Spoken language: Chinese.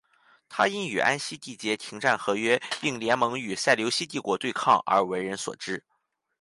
他因与安息缔结停战和约并联盟与塞琉西帝国对抗而为人所知。